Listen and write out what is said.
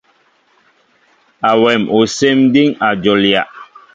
Awém osɛm diŋ a jolia.